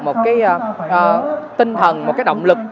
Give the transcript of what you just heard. một tinh thần một động lực